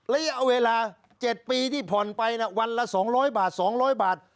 ระยะเวลา๗ปีที่ผ่อนไปวันละ๒๐๐บาท๒๐๐บาท